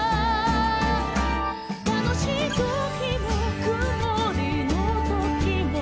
「たのしいときもくもりのときも」